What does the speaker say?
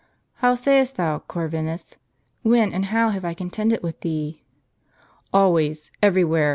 "How sayest thou, Corvinus? when and how have I con tended with thee?" "Always: every where.